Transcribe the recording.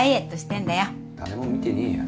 誰も見てねえよ。